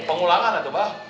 pengulangan itu abah